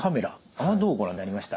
あれはどうご覧になりました？